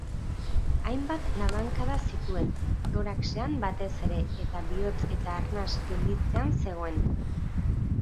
Hainbat labankada zituen, toraxean batez ere eta bihotz eta arnas gelditzean zegoen.